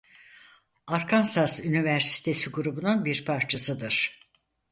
Arkansas Üniversitesi grubunun bir parçasıdır.